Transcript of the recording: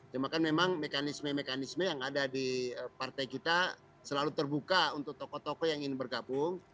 cuma kan memang mekanisme mekanisme yang ada di partai kita selalu terbuka untuk tokoh tokoh yang ingin bergabung